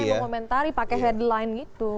mengomentari pakai headline gitu